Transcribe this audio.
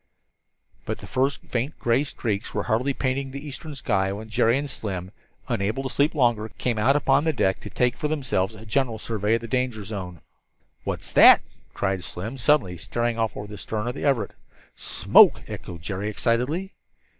But the first faint gray streaks were hardly painting the eastern sky when Jerry and Slim, unable to sleep longer, came out upon deck to take for themselves a general survey of the danger zone. "What's that?" cried Slim suddenly, staring off over the stern of the Everett. "Smoke!" echoed Jerry, excitedly.